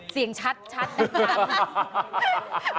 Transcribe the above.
เสียงชัดนะคะ